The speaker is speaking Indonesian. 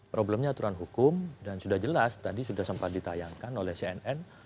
problemnya aturan hukum dan sudah jelas tadi sudah sempat ditayangkan oleh cnn